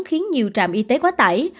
khiến nhiều trạm y tế quá tải